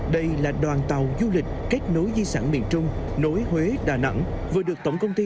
đây là đoàn tàu du lịch kết nối di sản miền trung nối huế đà nẵng vừa được tổng công ty